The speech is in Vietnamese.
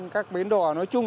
các bến đỏ nói chung